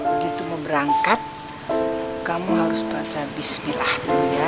begitu mau berangkat kamu harus baca bismillah dulu ya